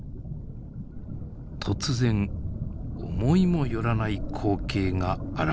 突然思いも寄らない光景が現れました。